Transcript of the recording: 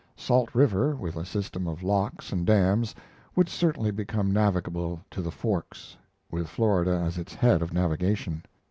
Salt River, with a system of locks and dams, would certainly become navigable to the Forks, with Florida as its head of navigation.